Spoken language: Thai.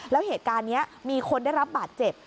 แล้วเหตุการณ์นี้มีคนได้รับบาดเจ็บ